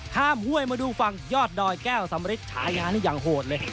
ห้วยมาดูฝั่งยอดดอยแก้วสำริทฉายานี่อย่างโหดเลย